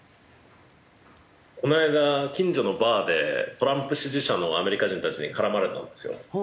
この間近所のバーでトランプ支持者のアメリカ人たちに絡まれたんですよ。